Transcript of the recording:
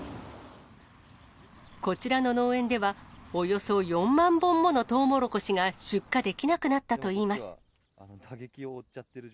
こちらの農園では、およそ４万本ものとうもろこしが出荷できなくなったといいます。